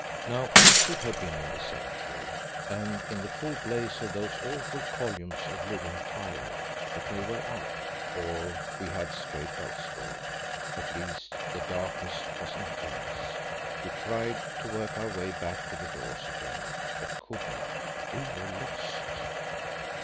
Now we should have been in the Sanctuary, and in the full blaze of those awful columns of living fire. But they were out, or we had strayed elsewhere; at least the darkness was intense. We tried to work our way back to the doors again, but could not. We were lost.